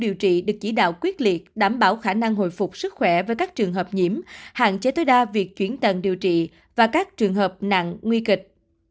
điều trị được chỉ đạo quyết liệt đảm bảo khả năng hồi phục sức khỏe với các trường hợp nhiễm hạn chế tối đa việc chuyển tần điều trị và các trường hợp nặng nguy kịch